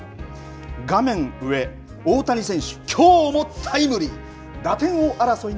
画面上大谷選手、きょうもタイムリー。